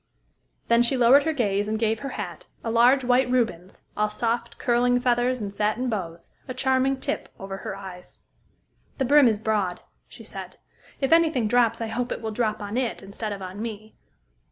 Then she lowered her gaze, and gave her hat a large white Rubens, all soft, curling feathers and satin bows a charming tip over her eyes. "The brim is broad," she said. "If any thing drops, I hope it will drop on it, instead of on me.